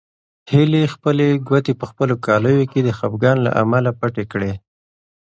هیلې خپلې ګوتې په خپلو کالیو کې د خپګان له امله پټې کړې.